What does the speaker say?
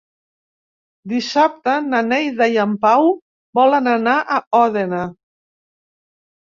Dissabte na Neida i en Pau volen anar a Òdena.